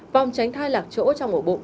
vòng tránh thai lạc chỗ trong ổ bụng